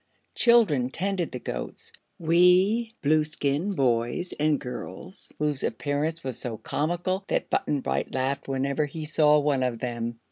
Children tended the goats wee Blueskin boys and girls whose appearance was so comical that Button Bright laughed whenever he saw one of them.